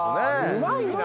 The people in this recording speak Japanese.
うまいな。